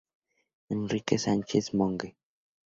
Enrique Sánchez-Monge.